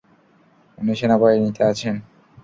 উনি সেনাবাহিনীতে আছেন।